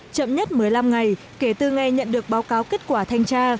chậm nhất một mươi năm ngày kể từ ngày nhận được báo cáo kết quả thanh tra